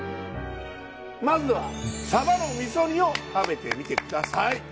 まずはサバの味噌煮を食べてみてください。